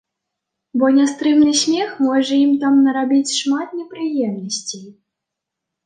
Бо нястрымны смех можа ім там нарабіць шмат непрыемнасцей.